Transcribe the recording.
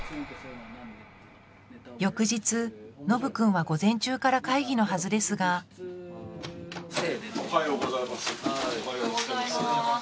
翌日のぶ君は午前中から会議のはずですがおはようございます。